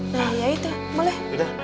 nah iya itu boleh